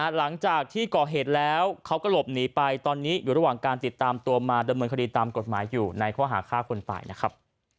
หลังจากที่ก่อเหตุแล้วเขาก็หลบหนีไปตอนนี้อยู่ระหว่างการติดตามตัวมาดำเนินคดีตามกฎหมายอยู่ในข้อหาฆ่าคนตายนะครับ